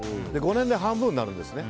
５年で半分になるんですね。